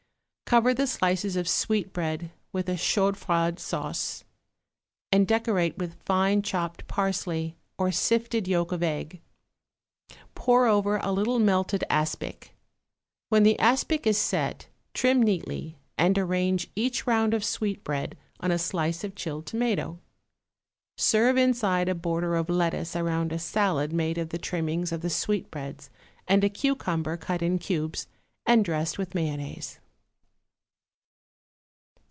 Cover the slices of sweetbread with chaud froid sauce and decorate with fine chopped parsley or sifted yolk of egg; pour over a little melted aspic. When the aspic is set, trim neatly, and arrange each round of sweetbread on a slice of chilled tomato. Serve inside a border of lettuce around a salad made of the trimmings of the sweetbreads and a cucumber cut in cubes and dressed with mayonnaise.